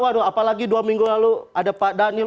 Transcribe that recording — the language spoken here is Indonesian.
waduh apalagi dua minggu lalu ada pak daniel